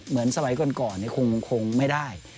เหมือนสมัยก่อนคงไม่ได้